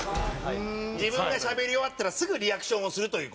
山崎：自分がしゃべり終わったらすぐリアクションをするという。